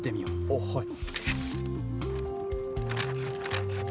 あっはい。